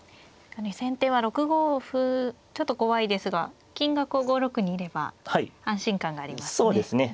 先手は６五歩ちょっと怖いですが金が５六にいれば安心感がありますね。